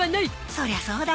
そりゃそうだ